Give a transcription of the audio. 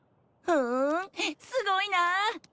ふんすごいなあ。